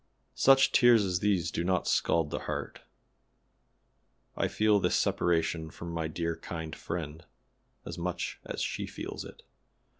"Such tears as these do not scald the heart. I feel this separation from my dear kind friend as much as she feels it.